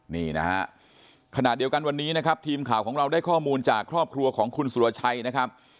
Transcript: นี่นะฮะขณะเดียวกันวันนี้นะครับทีมข่าวของเราได้ข้อมูลจากครอบครัวของคุณสุรชัยนะครับ